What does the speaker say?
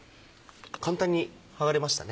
簡単に剥がれましたね。